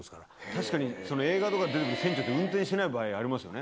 確かに映画とかに出てくる船長って、運転していない場合ありますよね。